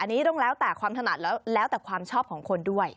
อันนี้ต้องแล้วแต่ความถนัดแล้วแล้วแต่ความชอบของคนด้วย